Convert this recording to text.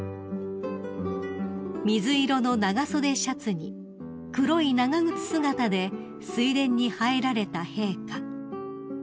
［水色の長袖シャツに黒い長靴姿で水田に入られた陛下］